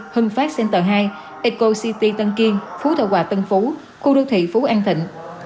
hưng phát center hai eco city tân kiên phú thợ hòa tân phú khu đô thị phú an thịnh